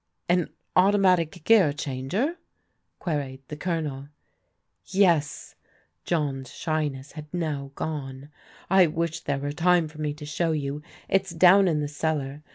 " An Automatic Gear Changer? " queried the Colonel. " Yes." John's shyness had now gone. " I wish there were time for me to show you. It's down in the cellar.